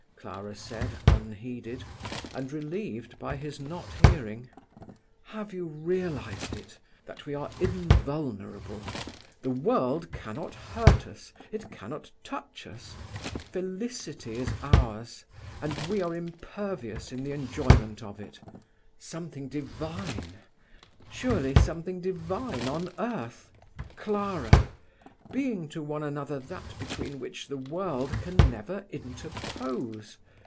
Clara said, unheeded, and relieved by his not hearing. "Have you realized it? that we are invulnerable! The world cannot hurt us: it cannot touch us. Felicity is ours, and we are impervious in the enjoyment of it. Something divine! surely something divine on earth? Clara! being to one another that between which the world can never interpose!